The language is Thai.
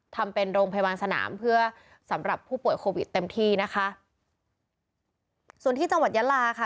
ทำเป็นโรงพยาบาลสนามเพื่อสำหรับผู้ป่วยโควิดเต็มที่นะคะส่วนที่จังหวัดยาลาค่ะ